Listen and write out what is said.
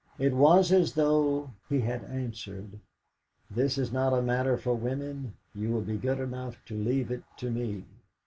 It was as though he had answered: "This is not a matter for women; you will be good enough to leave it to me."